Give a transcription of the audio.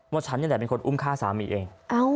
ฉันนี่แหละเป็นคนอุ้มฆ่าสามีเอง